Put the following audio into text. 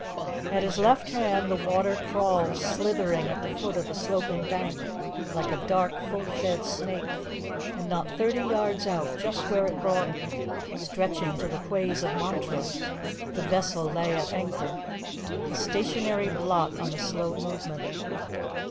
At his left hand the water crawled slithering at the foot of the sloping bank, like a dark, full fed snake, and not thirty yards out, just where it broadened, stretching to the quays of Montrose, the vessel lay at anchor, a stationary blot on the slow movement.